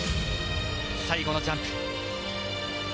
最後のジャンプ。